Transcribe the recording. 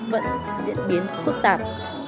vẫn diễn biến phức tạp